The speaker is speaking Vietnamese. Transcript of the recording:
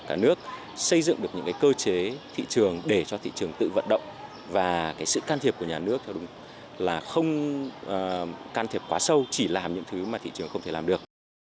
cả nước xây dựng được những cơ chế thị trường để cho thị trường tự vận động và sự can thiệp của nhà nước theo đúng là không can thiệp quá sâu chỉ làm những thứ mà thị trường không thể làm được